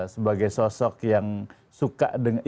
sebagai sosok yang suka